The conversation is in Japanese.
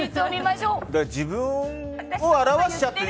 自分を表しちゃって。